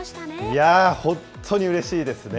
いやあ、本当にうれしいですね。